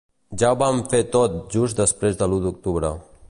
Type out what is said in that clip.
Ja ho van fer tot just després de l’u d’octubre.